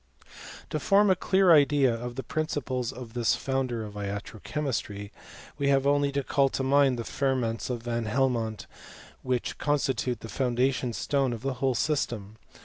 To form a clear idea of the principles of this founder of iatro chemistry, we have only to call to mind the ferments of Van Helmont, which constitute the foun dation stone of the whole system.